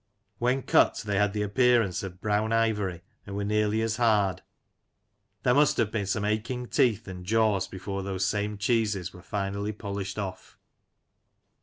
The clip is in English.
When cut, they had the appearance of brown ivory, and were nearly as hard. There must have been some aching teeth and jaws before those same cheeses were finally polished off!